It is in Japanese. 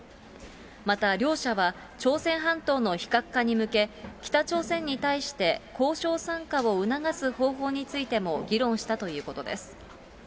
また、両者は朝鮮半島の非核化に向け、北朝鮮に対して交渉参加を促す方法についても議論したということです。